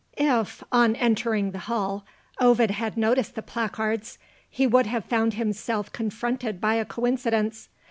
If, on entering the hall, Ovid had noticed the placards, he would have found himself confronted by a coincidence.